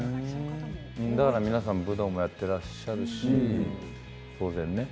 だから皆さん武道もやっていらっしゃるし当然ね。